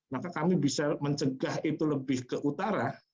maka kami bisa mencegah itu lebih ke utara